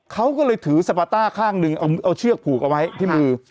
เขาก็เลยถือสปาต้าข้างหนึ่งเอาเชือกผูกเอาไว้ที่มือ